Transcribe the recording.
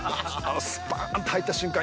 スパーンと入った瞬間